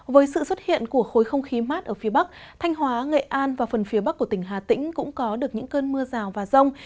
với sự xuất hiện của khối không khí mát ở phía bắc thanh hóa nghệ an và phần phía bắc của tỉnh hà tĩnh cũng có được những cơn mưa rào và rông